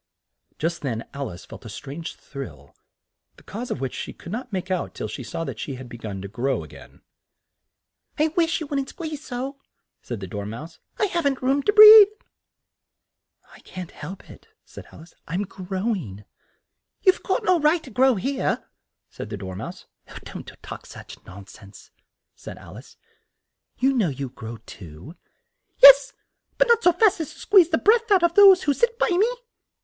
Just then Al ice felt a strange thrill, the cause of which she could not make out till she saw she had be gun to grow a gain. "I wish you wouldn't squeeze so," said the Dor mouse. "I haven't room to breathe." "I can't help it," said Al ice; "I'm grow ing." "You've no right to grow here," said the Dor mouse. "Don't talk such non sense," said Al ice. "You know you grow too." "Yes, but not so fast as to squeeze the breath out of those who sit by me."